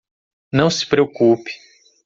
Não se preocupe